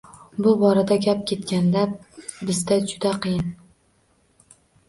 Bu borada gap ketganda, bizda juda qiyin